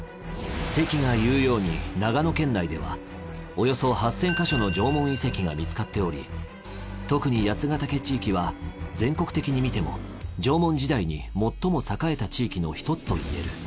関が言うように長野県内ではおよそ８，０００か所の縄文遺跡が見つかっており特に八ヶ岳地域は全国的にみても縄文時代に最も栄えた地域の１つといえる。